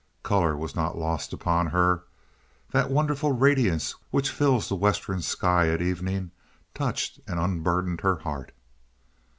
Color was not lost upon her. That wonderful radiance which fills the western sky at evening touched and unburdened her heart.